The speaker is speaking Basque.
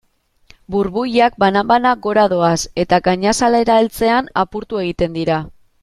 Burbuilak banan-banan gora doaz eta gainazalera heltzean apurtu egiten dira.